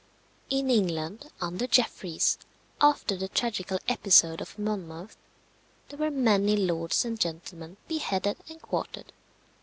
In England, under Jeffreys, after the tragical episode of Monmouth, there were many lords and gentlemen beheaded and quartered.